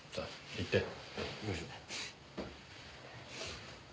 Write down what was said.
行きましょう。